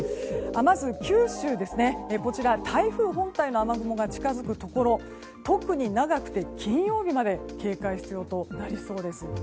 まず、九州は台風本体の雨雲が近づくところ特に、長くて金曜日まで警戒が必要となりそうです。